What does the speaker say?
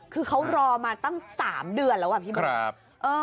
คือเขารอมาตั้ง๓เดือนแล้วครับ